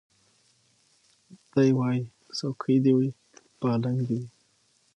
دی وايي څوکۍ دي وي پالنګ دي وي